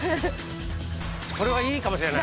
これはいいかもしれない。